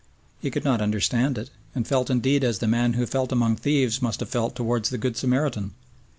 He could not understand it, and felt indeed as the man who fell among thieves must have felt towards the Good Samaritan.